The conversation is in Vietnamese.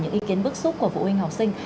những ý kiến bức xúc của phụ huynh học sinh